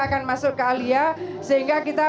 akan masuk ke alia sehingga kita